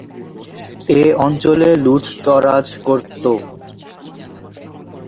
এ অঞ্চলে লুটতরাজ করতো।